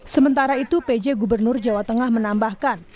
sementara itu pj gubernur jawa tengah menambahkan